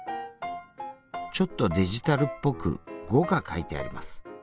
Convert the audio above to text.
ちょっとデジタルっぽく「５」が書いてあります。